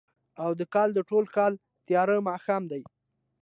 او د کال، د ټوله کال تیاره ماښام دی